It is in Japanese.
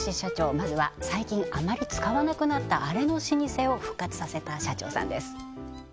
まずは最近あまり使わなくなったアレの老舗を復活させた社長さんです